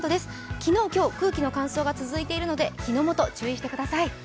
昨日、今日、空気の乾燥が続いているので火の元、注意してください。